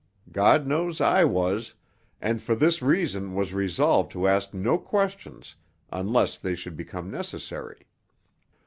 God knows I was, and for this reason was resolved to ask no questions unless they should become necessary.